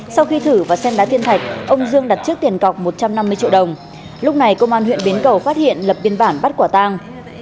sau khi thử và xem đá thiên thạch ông dương đặt trước tiền cọc một trăm năm mươi triệu đồng lúc này công an huyện bến cầu phát hiện lập biên bản bắt quả tang